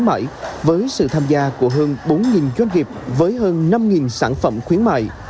mại với sự tham gia của hơn bốn doanh nghiệp với hơn năm sản phẩm khuyến mại